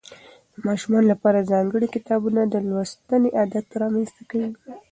د ماشومانو لپاره ځانګړي کتابونه د لوستنې عادت رامنځته کوي.